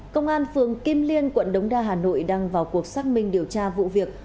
công an phường kim liên quận đống đa hà nội đang vào cuộc xác minh điều tra vụ việc